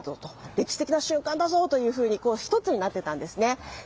歴史的な瞬間だぞと１つになっていたんですね。